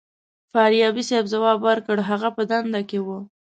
فاریابي صیب ځواب ورکړ هغه په دنده کې و.